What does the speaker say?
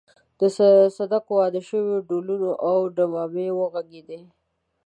د صدک واده شو ډهلونه او ډمامې وغږېدې.